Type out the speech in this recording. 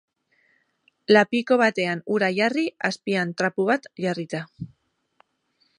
Lapiko batean ura jarri, azpian trapu bat jarrita.